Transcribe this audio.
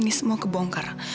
ini semua kebongkar